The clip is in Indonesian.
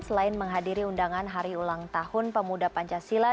selain menghadiri undangan hari ulang tahun pemuda pancasila